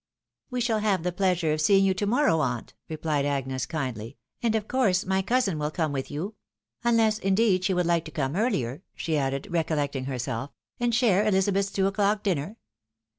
" We shall have the pleasure of seeing you to morrow, aunt," replied Agnes, kindly, " and of course my cousin wiU come with you ; unless, indeed, she would like to come earlier," she added, reooUeoting herself, " and share Ehzabeth's two o'clock dinner